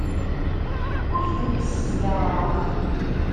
Ur tent-ssezdaɣeɣ.